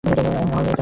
আমার মেয়ের জামাই।